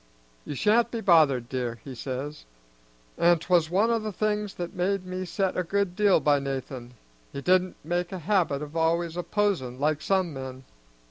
'You sha'n't be bothered, dear,' he says; an' 'twas one o' the things that made me set a good deal by Nathan, he did not make a habit of always opposin', like some men.